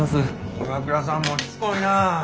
岩倉さんもしつこいなぁ。